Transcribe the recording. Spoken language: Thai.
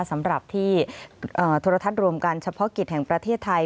สำหรับที่โทรทัศน์รวมการเฉพาะกิจแห่งประเทศไทย